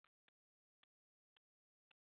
পূর্বাপেক্ষা উদার ভিত্তিতে ধর্মের অনুশীলন আবশ্যক।